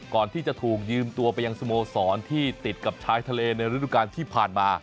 ก่อนที่จะถูกยืมตัวไปยังสโมสรที่ติดกับชายทะเลในฤดูการที่ผ่านมา